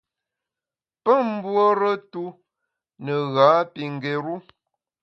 Pe mbuore tu ne gha pi ngéru.